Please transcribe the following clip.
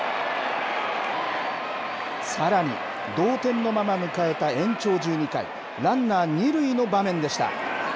さらに、同点のまま迎えた延長１２回、ランナー２塁の場面でした。